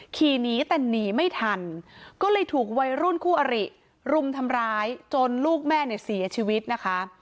ขี่หนีแต่หนีไม่ทันก็เลยถูกวัยรุ่นคู่อริรุมทำร้ายจนลูกแม่เนี่ยเสียชีวิตนะคะ